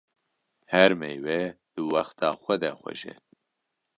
Her meywe di wexta xwe de xweş e